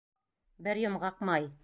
— Бер йомғаҡ май.